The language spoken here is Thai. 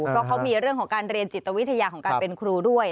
เพราะเขามีเรื่องของการเรียนจิตวิทยาของการเป็นครูด้วย